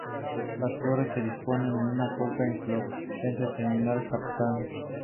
Aunque, no creo que The Voice sea como la villana de The X Factor".